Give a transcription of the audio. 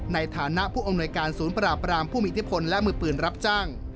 ในฐานะผู้อำนวยการศูนย์ปราบรามผู้มีอิทธิพลและมือปืนรับจ้าง